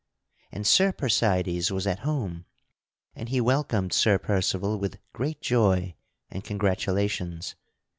And Sir Percydes was at home and he welcomed Sir Percival with great joy and congratulations.